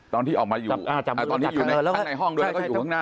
ตอนที่ออกมาอยู่ตอนนี้อยู่ข้างในห้องด้วยแล้วก็อยู่ข้างหน้า